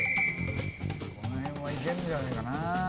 この辺はいけるんじゃねえかな？